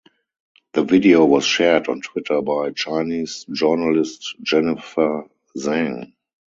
The video was shared on Twitter by Chinese journalist Jennifer Zeng.